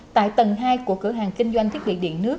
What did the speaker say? tại tầng hai của cửa hàng kinh doanh thiết bị điện nước